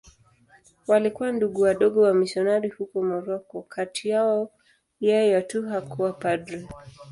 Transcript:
Walikuwa Ndugu Wadogo wamisionari huko Moroko.Kati yao yeye tu hakuwa padri.